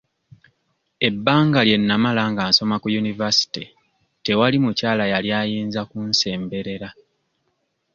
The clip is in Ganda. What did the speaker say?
Ebbanga lye namala nga nsoma ku yunivasite tewali mukyala yali ayinza kunsemberera.